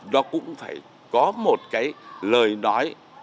đó cũng phải có một cái lời nói